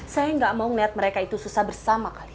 saya enggak mau melihat mereka itu susah bersama kalian